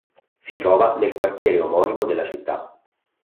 Si trova nel quartiere omonimo della città.